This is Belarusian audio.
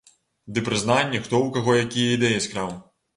Ды прызнанні, хто ў каго якія ідэі скраў.